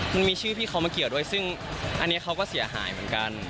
มันมีชื่อพี่เขามาเกี่ยวด้วยซึ่งอันนี้เขาก็เสียหายเหมือนกัน